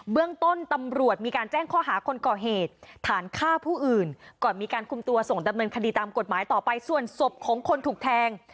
เรื่องต้นตำรวจมีการแจ้งข้อหาคนก่อเหตุฐานฆ่าผู้อื่นก่อนมีการคุมตัวส่งดำเนินคดีตามกฎหมายต่อไปส่วนศพของคนถูกแทง